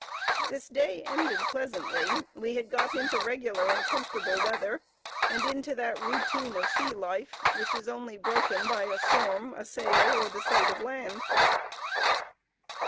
This day ended pleasantly; we had got into regular and comfortable weather, and into that routine of sea life which is only broken by a storm, a sail, or the sight of land.